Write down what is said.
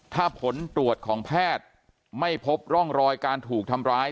ถ้าผลตรวจของแพทย์ไม่พบร่องรอยการถูกทำร้าย